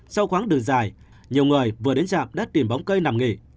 sau khoáng đường dài nhiều người vừa đến trạm đất tìm bóng cây nằm nghỉ